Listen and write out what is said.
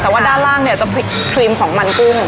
แต่ว่าด้านล่างเนี่ยจะครีมของมันกุ้ง